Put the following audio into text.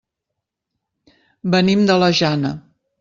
Venim de la Jana.